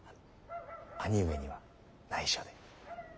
あ兄上には内緒で。